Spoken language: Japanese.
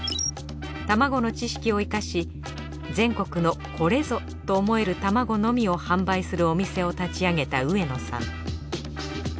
卵の知識を活かし全国のこれぞと思える卵のみを販売するお店を立ち上げた上野さん。